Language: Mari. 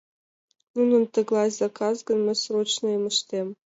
— Нунын «тыглай» заказ гын, мый «срочныйым» ыштем.